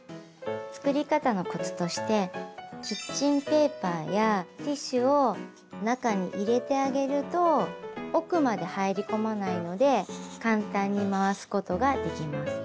作り方のコツとしてキッチンペーパーやティッシュを中に入れてあげると奥まで入り込まないので簡単に回すことができます。